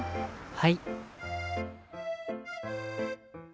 はい。